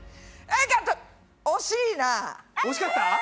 おしかった？